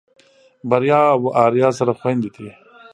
بريا او آريا سره خويندې دي.